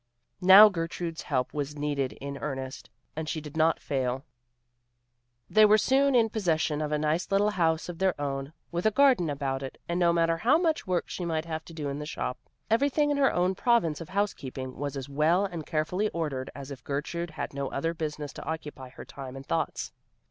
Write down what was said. Now Gertrude's help was needed in earnest, and she did not fail. They were soon in possession of a nice little house of their own, with a garden about it, and no matter how much work she might have to do in the shop, everything in her own province of housekeeping was as well and carefully ordered as if Gertrude had no other business to occupy her time and thoughts.